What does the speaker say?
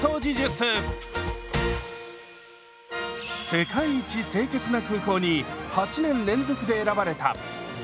「世界一清潔な空港」に８年連続で選ばれた羽田空港。